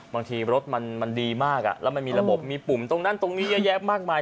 บางทีรถมันดีมากแล้วมันมีระบบมีปุ่มตรงนั้นตรงนี้เยอะแยะมากมาย